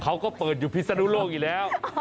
เขาก็เปิดอยู่พิศนุโลกอยู่แล้ว